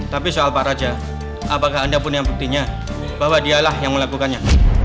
tapi soal pak raja apakah anda punya buktinya bahwa dialah yang melakukannya